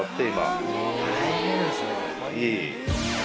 いえいえ。